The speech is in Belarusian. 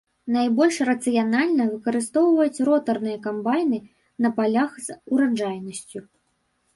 Найбольш рацыянальна выкарыстоўваць ротарныя камбайны на палях з ураджайнасцю.